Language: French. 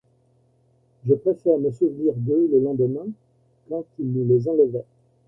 Je préfère me souvenir d’eux le lendemain, quand ils nous les enlevaient.